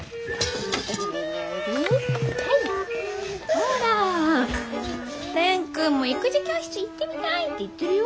ほら蓮くんも「育児教室行ってみたい」って言ってるよ。